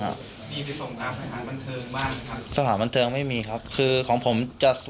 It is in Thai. จากนั้นก็จะนำมาพักไว้ที่ห้องพลาสติกไปวางเอาไว้ตามจุดนัดต่าง